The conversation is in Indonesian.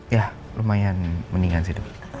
ya lumayan mendingan sih dok